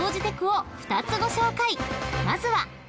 ［まずは］